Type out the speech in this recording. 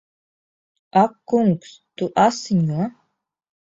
Ak kungs! Tu asiņo!